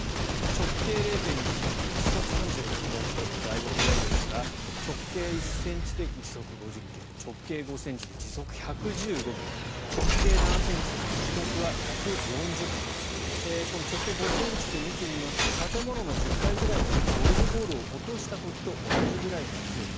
直径０．５ｃｍで時速３６ｋｍもうこれでだいぶ速いですが直径１ｃｍで時速５０ｋｍ直径５ｃｍで時速１１５ｋｍ直径７ｃｍだと時速は１４０ｋｍこの直径５ｃｍで見てみますと建物の１０階ぐらいからゴルフボールを落とした時と同じくらいの強さ。